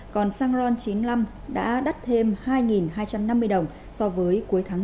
còn xăng ron chín mươi năm đã đắt thêm hai hai trăm năm mươi đồng so với cuối tháng năm